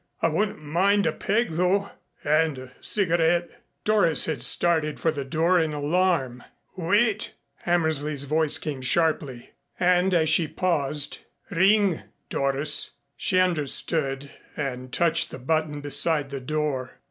I wouldn't mind a peg though and a cigarette." Doris had started for the door in alarm. "Wait!" Hammersley's voice came sharply. And as she paused, "Ring, Doris." She understood and touched the button beside the door.